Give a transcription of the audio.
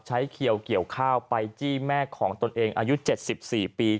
เขียวเกี่ยวข้าวไปจี้แม่ของตนเองอายุ๗๔ปี